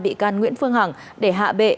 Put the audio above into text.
bị can nguyễn phương hằng để hạ bệ